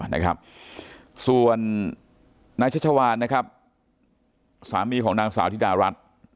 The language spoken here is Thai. นะครับส่วนนายชัชวานนะครับสามีของนางสาวธิดารัฐ